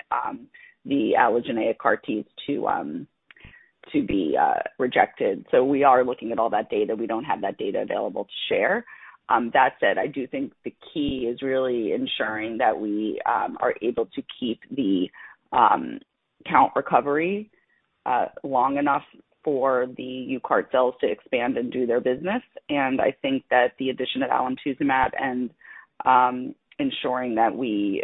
the allogeneic CAR T to be rejected. We are looking at all that data. We don't have that data available to share. That said, I do think the key is really ensuring that we are able to keep the count recovery long enough for the UCART cells to expand and do their business. I think that the addition of alemtuzumab and ensuring that we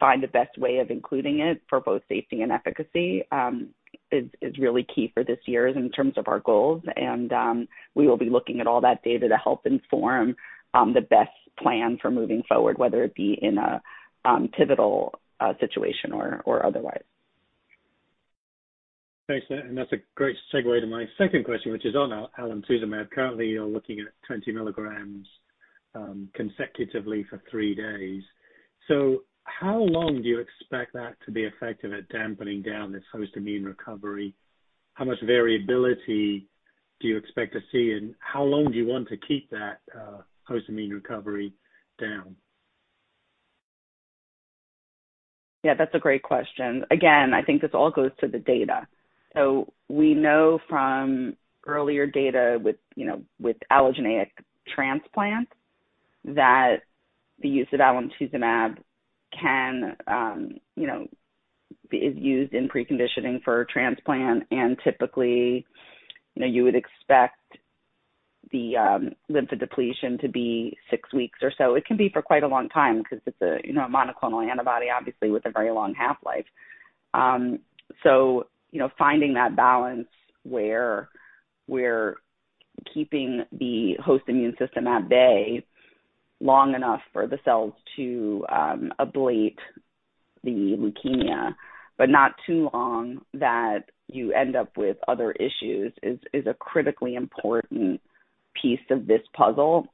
find the best way of including it for both safety and efficacy is really key for this year in terms of our goals. We will be looking at all that data to help inform the best plan for moving forward, whether it be in a pivotal situation or otherwise. Thanks for that, and that's a great segue to my second question, which is on alemtuzumab. Currently, you're looking at 20 mg consecutively for three days. How long do you expect that to be effective at dampening down this host immune recovery? How much variability do you expect to see, and how long do you want to keep that host immune recovery down? Yeah, that's a great question. I think this all goes to the data. We know from earlier data with allogeneic transplant, that the use of alemtuzumab is used in preconditioning for transplant and typically you would expect the lymphodepletion to be six weeks or so. It can be for quite a long time because it's a monoclonal antibody, obviously, with a very long half-life. Finding that balance where we're keeping the host immune system at bay long enough for the cells to ablate the leukemia, but not too long that you end up with other issues, is a critically important piece of this puzzle.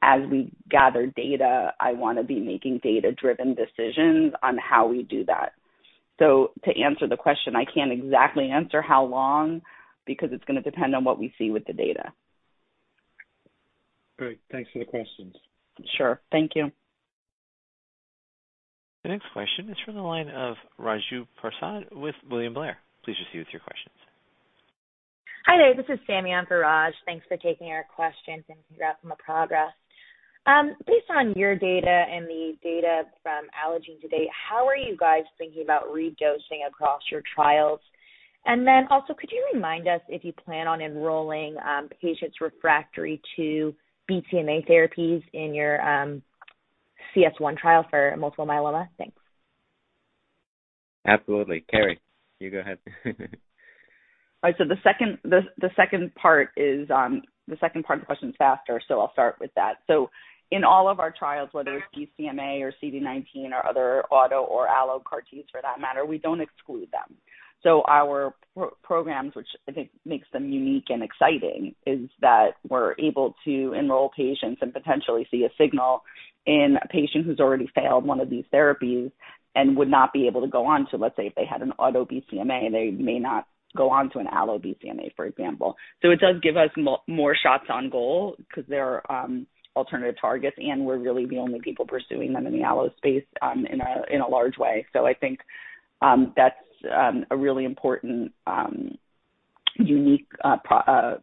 As we gather data, I want to be making data-driven decisions on how we do that. To answer the question, I can't exactly answer how long, because it's going to depend on what we see with the data. Great. Thanks for the questions. Sure. Thank you. The next question is from the line of Raju Prasad with William Blair. Please proceed with your questions. Hi there, this is Sami for Raju. Thanks for taking our questions and congrats on the progress. Based on your data and the data from Allogene to date, how are you guys thinking about redosing across your trials? Also, could you remind us if you plan on enrolling patients refractory to BCMA therapies in your CS1 trial for multiple myeloma? Thanks. Absolutely. Carrie, you go ahead. All right, the second part of the question is faster, I'll start with that. In all of our trials, whether it's BCMA or CD19 or other auto or allo CAR Ts for that matter, we don't exclude them. Our programs, which I think makes them unique and exciting, is that we're able to enroll patients and potentially see a signal in a patient who's already failed one of these therapies and would not be able to go on to, let's say, if they had an auto BCMA, they may not go on to an allo BCMA, for example. It does give us more shots on goal because they are alternative targets, and we're really the only people pursuing them in the allo space in a large way. I think that's a really important, unique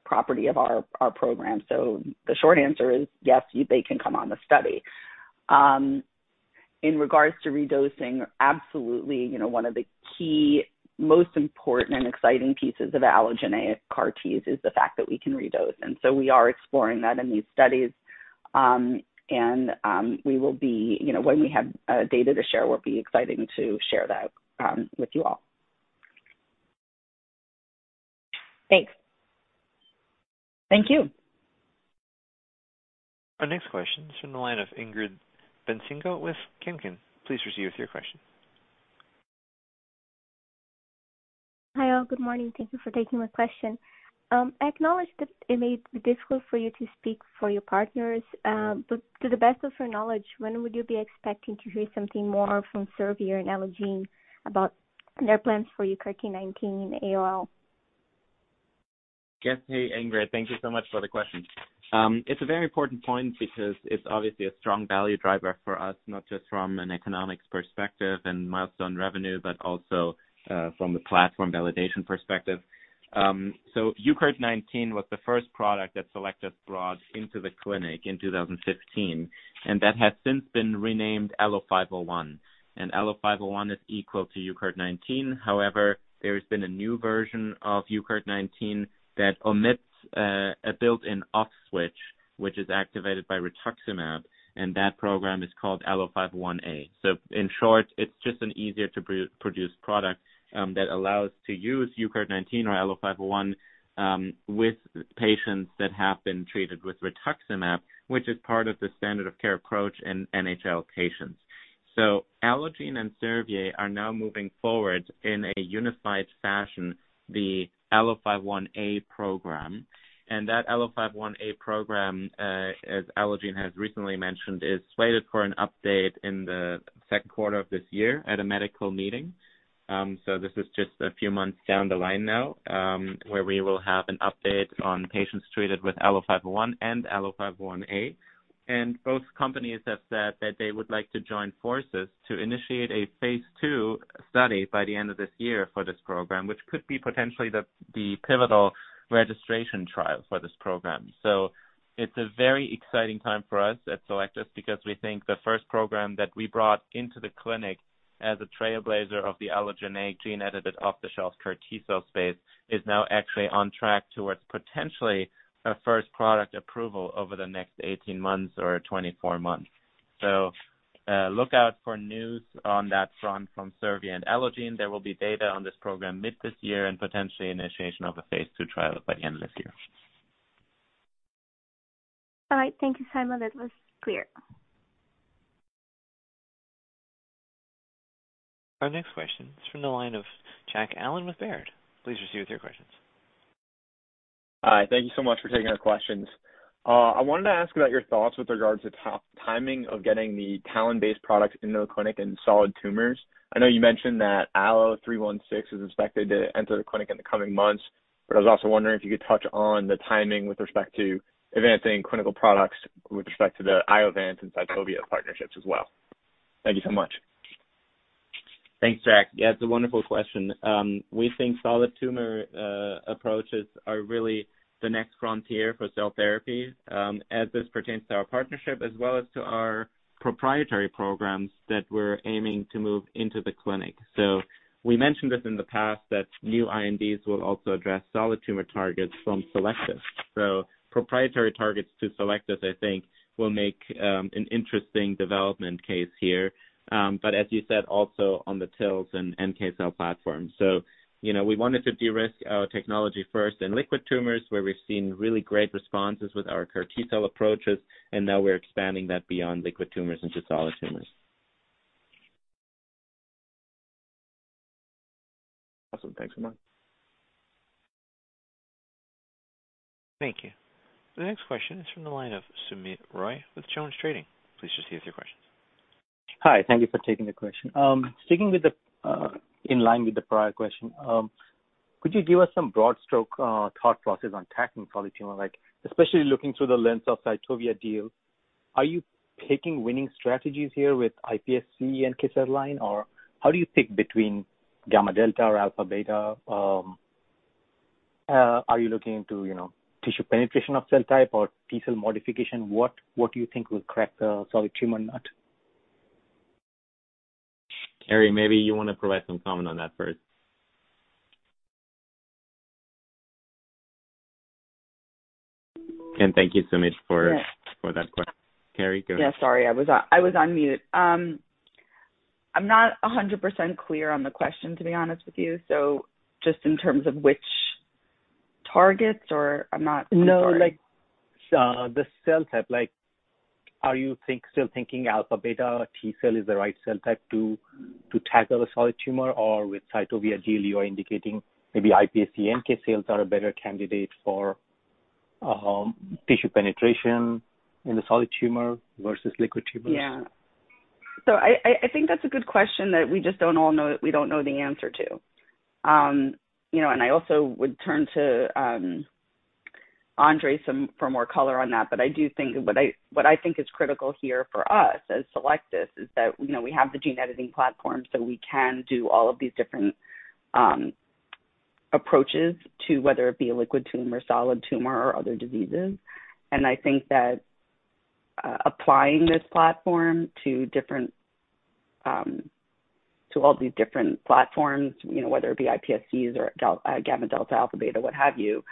property of our program. The short answer is yes, they can come on the study. In regards to redosing, absolutely, one of the key, most important and exciting pieces of allogeneic CAR Ts is the fact that we can redose. We are exploring that in these studies. When we have data to share, we'll be exciting to share that with you all. Thanks. Thank you. Our next question is from the line of Ingrid [Gafanhao] with Kempen. Please proceed with your question. Hi all. Good morning. Thank you for taking my question. I acknowledge that it may be difficult for you to speak for your partners, but to the best of your knowledge, when would you be expecting to hear something more from Servier and Allogene about their plans for UCART19 in ALL? Yes. Hey, Ingrid. Thank you so much for the question. It's a very important point because it's obviously a strong value driver for us, not just from an economics perspective and milestone revenue, but also from the platform validation perspective. UCART19 was the first product that Cellectis brought into the clinic in 2015, and that has since been renamed ALLO-501. ALLO-501 is equal to UCART19. However, there's been a new version of UCART19 that omits a built-in off switch, which is activated by rituximab, and that program is called ALLO-501A. In short, it's just an easier-to-produce product that allows to use UCART19 or ALLO-501 with patients that have been treated with rituximab, which is part of the standard of care approach in NHL patients. Allogene and Servier are now moving forward in a unified fashion, the ALLO-501A program. That ALLO-501A program, as Allogene has recently mentioned, is slated for an update in the second quarter of this year at a medical meeting. This is just a few months down the line now, where we will have an update on patients treated with ALLO-501 and ALLO-501A. Both companies have said that they would like to join forces to initiate a phase II study by the end of this year for this program, which could be potentially the pivotal registration trial for this program. It's a very exciting time for us at Cellectis because we think the first program that we brought into the clinic as a trailblazer of the allogeneic gene-edited off-the-shelf CAR T-cell space is now actually on track towards potentially a first product approval over the next 18 months or 24 months. Look out for news on that front from Servier and Allogene. There will be data on this program mid this year and potentially initiation of a phase II trial by the end of this year. All right. Thank you, Simon. That was clear. Our next question is from the line of Jack Allen with Baird. Please proceed with your questions. Hi. Thank you so much for taking our questions. I wanted to ask about your thoughts with regards to timing of getting the TALEN-based products into the clinic in solid tumors. I know you mentioned that ALLO-316 is expected to enter the clinic in the coming months, but I was also wondering if you could touch on the timing with respect to advancing clinical products with respect to the Iovance and Cytovia partnerships as well. Thank you so much. Thanks, Jack. Yeah, it's a wonderful question. We think solid tumor approaches are really the next frontier for cell therapy, as this pertains to our partnership as well as to our proprietary programs that we're aiming to move into the clinic. We mentioned this in the past, that new INDs will also address solid tumor targets from Cellectis. Proprietary targets to Cellectis, I think, will make an interesting development case here. As you said, also on the TILs and NK-cell platforms. We wanted to de-risk our technology first in liquid tumors, where we've seen really great responses with our CAR T-cell approaches, and now we're expanding that beyond liquid tumors into solid tumors. Awesome. Thanks so much. Thank you. The next question is from the line of Soumit Roy with JonesTrading. Please proceed with your questions. Hi. Thank you for taking the question. Sticking in line with the prior question, could you give us some broad stroke thought processes on tackling solid tumor? Especially looking through the lens of Cytovia deal, are you picking winning strategies here with iPSC and case outline, or how do you pick between gamma delta or alpha beta? Are you looking into tissue penetration of cell type or T-cell modification? What do you think will crack the solid tumor nut? Carrie, maybe you want to provide some comment on that first. Thank you, Soumit, for that question. Carrie, go ahead. Yeah, sorry. I was on mute. I'm not 100% clear on the question, to be honest with you. I'm sorry. No, like, the cell type. Are you still thinking alpha-beta T-cell is the right cell type to tackle a solid tumor, or with Cytovia deal, you're indicating maybe iPSC NK-cells are a better candidate for tissue penetration in the solid tumor versus liquid tumors? Yeah. I think that's a good question that we just don't know the answer to. I also would turn to André for more color on that. What I think is critical here for us as Cellectis is that we have the gene-editing platform, so we can do all of these different approaches to whether it be a liquid tumor, solid tumor, or other diseases. I think that applying this platform to all these different platforms, whether it be iPSCs or gamma delta, alpha beta, what have you,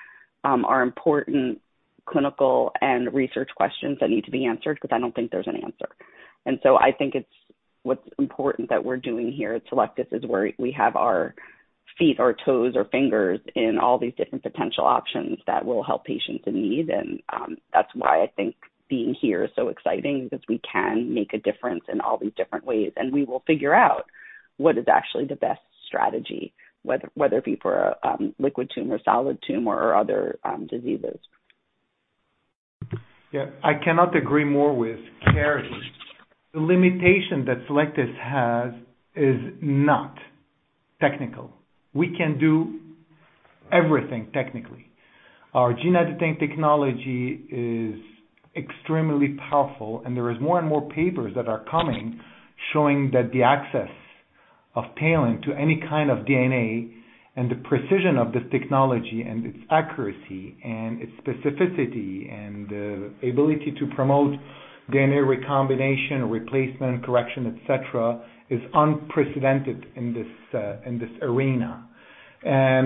are important clinical and research questions that need to be answered, because I don't think there's an answer. I think what's important that we're doing here at Cellectis is we have our feet or toes or fingers in all these different potential options that will help patients in need, and that's why I think being here is so exciting because we can make a difference in all these different ways, and we will figure out what is actually the best strategy, whether it be for a liquid tumor, solid tumor, or other diseases. Yeah, I cannot agree more with Carrie. The limitation that Cellectis has is not technical. We can do everything technically. Our gene editing technology is extremely powerful. There is more and more papers that are coming showing that the access of TALEN to any kind of DNA and the precision of this technology, and its accuracy, and its specificity, and the ability to promote DNA recombination, replacement, correction, et cetera, is unprecedented in this arena.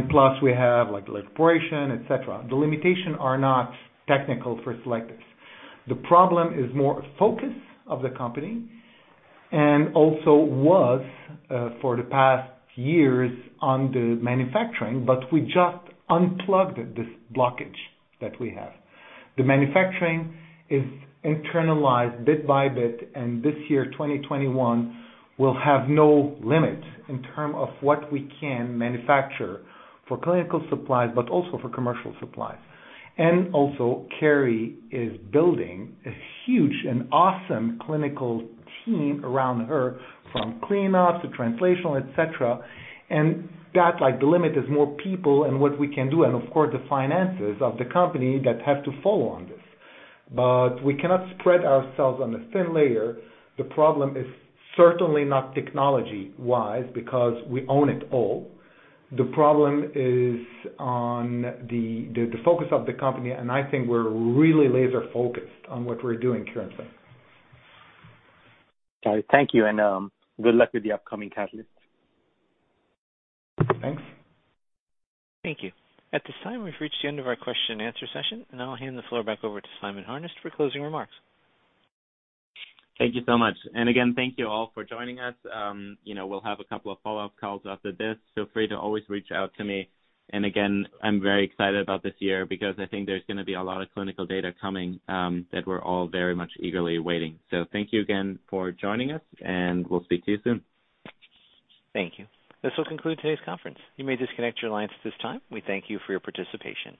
Plus, we have like lipofection, et cetera. The limitation are not technical for Cellectis. The problem is more focus of the company, and also was for the past years on the manufacturing. We just unplugged this blockage that we have. The manufacturing is internalized bit by bit. This year, 2021, will have no limit in terms of what we can manufacture for clinical supplies, also for commercial supplies. Carrie is building a huge and awesome clinical team around her from clinical ops to translational, et cetera, and that, like the limit is more people and what we can do, and of course, the finances of the company that have to follow on this. We cannot spread ourselves on a thin layer. The problem is certainly not technology-wise because we own it all. The problem is on the focus of the company, and I think we're really laser-focused on what we're doing currently. Got it. Thank you, and good luck with the upcoming catalyst. Thanks. Thank you. At this time, we've reached the end of our question and answer session, and I'll hand the floor back over to Simon Harnest for closing remarks. Thank you so much. Again, thank you all for joining us. We'll have a couple of follow-up calls after this. Feel free to always reach out to me. Again, I'm very excited about this year because I think there's going to be a lot of clinical data coming that we're all very much eagerly awaiting. Thank you again for joining us, and we'll speak to you soon. Thank you. This will conclude today's conference. You may disconnect your lines at this time. We thank you for your participation.